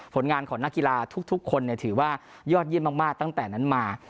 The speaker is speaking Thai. ผลงานของนักกีฬาทุกคนถือว่ายอดเยี่ยมมากตั้งแต่นั้นมา